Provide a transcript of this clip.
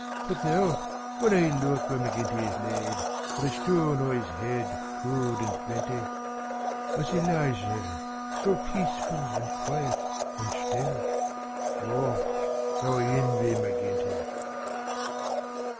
But now, whin I look where McGinty is laid, Wid a shtone o'er his head cowld an' flinty As he lies there so peaceful, an' quoiet, an' shtill Och! how I invy McGinty.